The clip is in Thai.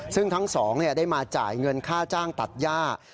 ซึ่งทั้งสองได้มาจ่ายเงินค่าจ้างตัดย่า